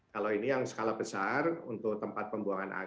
kalau ini yang skala besar untuk tempat pembuangan